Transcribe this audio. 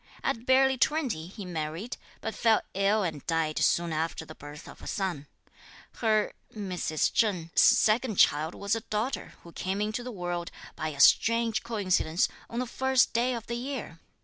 At barely twenty, he married, but fell ill and died soon after the birth of a son. Her (Mrs. Cheng's) second child was a daughter, who came into the world, by a strange coincidence, on the first day of the year.